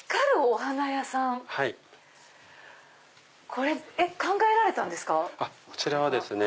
これって考えられたんですか？